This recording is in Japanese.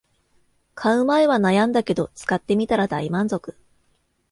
買う前は悩んだけど使ってみたら大満足